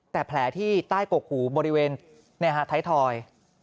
แต่แผลที่ใต้กกหูบริเวณไทยทอย